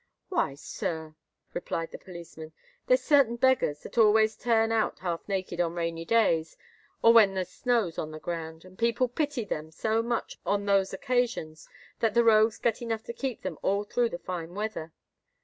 "Why, sir," replied the policeman, "there's certain beggars that always turn out half naked, on rainy days, or when the snow's on the ground; and people pity them so much on those occasions that the rogues get enough to keep them all through the fine weather.